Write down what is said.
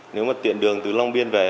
nếu mà tiện đường từ long biên về